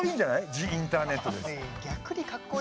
ジ・インターネットですよ？